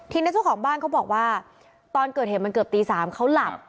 ทีนี้เจ้าของบ้านเขาบอกว่าตอนเกิดเหตุมันเกือบตี๓เขาหลับ